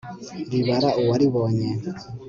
ribara uwaribonye